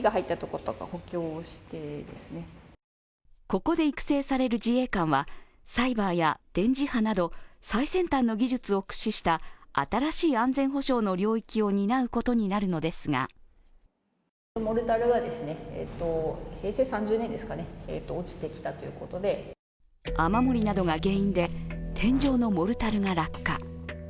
ここで育成される自衛官はサイバーや電磁波など最先端の技術を駆使した新しい安全保障の領域を担うことになるのですが雨漏りなどが原因で天井のモルタルが落下。